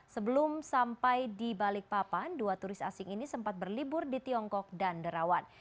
sebelum sampai di balikpapan dua turis asing ini sempat berlibur di tiongkok dan derawan